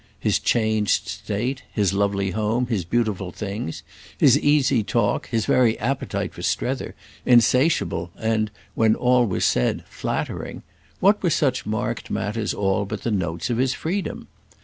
His changed state, his lovely home, his beautiful things, his easy talk, his very appetite for Strether, insatiable and, when all was said, flattering—what were such marked matters all but the notes of his freedom?